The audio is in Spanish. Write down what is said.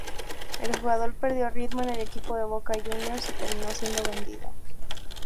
El jugador perdió ritmo en el equipo de Boca Juniors y terminó siendo vendido.